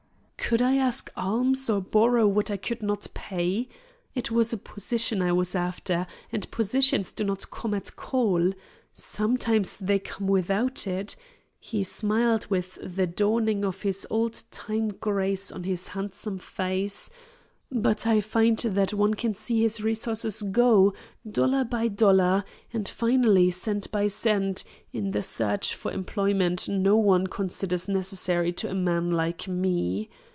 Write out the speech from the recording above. "Could I ask alms or borrow what I could not pay? It was a position I was after, and positions do not come at call. Sometimes they come without it," he smiled with the dawning of his old time grace on his handsome face, "but I find that one can see his resources go, dollar by dollar, and finally, cent by cent, in the search for employment no one considers necessary to a man like me.